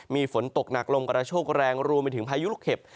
มีฝนตกหนักลมกระโชคแรงรวมไปถึงพายุลูกเห็บ